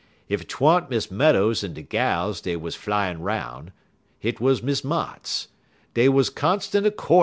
Ef 't wa'n't Miss Meadows en de gals dey wuz flyin' 'roun', hit 'uz Miss Motts. Dey wuz constant a courtin'.